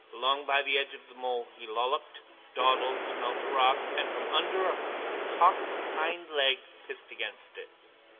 Along by the edge of the mole he lolloped, dawdled, smelt a rock and from under a cocked hindleg pissed against it.